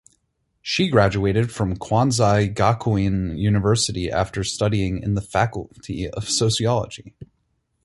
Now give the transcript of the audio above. She graduated from Kwansei Gakuin University after studying in the Faculty of Sociology.